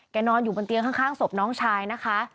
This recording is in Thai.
นอนอยู่บนเตียงข้างศพน้องชายนะคะ